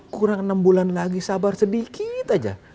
kurang enam bulan lagi sabar sedikit aja